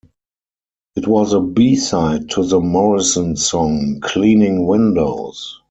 It was a B-side to the Morrison song "Cleaning Windows".